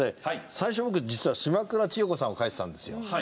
最初僕実は島倉千代子さんを書いてたんですよ。